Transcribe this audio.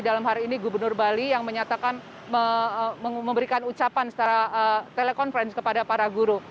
dalam hari ini gubernur bali yang menyatakan memberikan ucapan secara telekonferensi kepada para guru